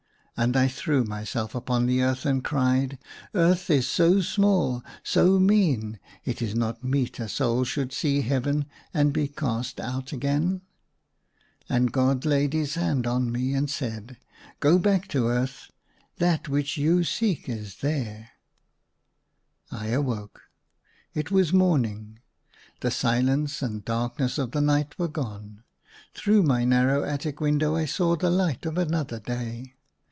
And I threw myself upon the earth and cried, *' Earth is so small, so mean ! It is not meet a soul should see Heaven and be cast out again !" And God laid his hand on me, and said, " Go back to earth : ^Aa^ which you seek is there*' I awoke : it was morning. The silence and darkness of the night were gone. Through my narrow attic window I saw the light of another day.